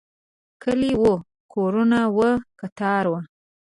کلی و، کورونه و، کتار و